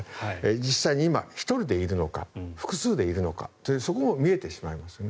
実際に今、１人でいるのか複数でいるのかというそこも見えてしまいますよね。